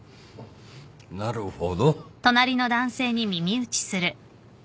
なるほど。